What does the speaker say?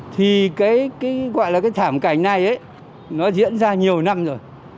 thì cái gọi là cái thảm cảnh này nó diễn ra nhiều năm rồi